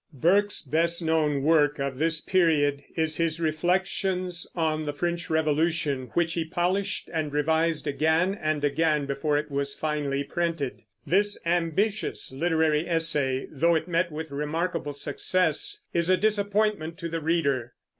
Burke's best known work of this period is his Reflections on the French Revolution, which he polished and revised again Essay on and again before it was finally printed. This ambitious literary essay, though it met with remarkable success, is a disappointment to the reader.